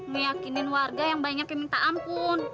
meyakinin warga yang banyak yang minta ampun